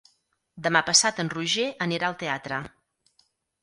Demà passat en Roger anirà al teatre.